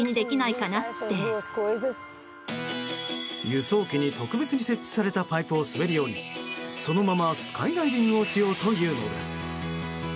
輸送機に特別に設置されたパイプを滑り降りそのままスカイダイビングをしようというのです。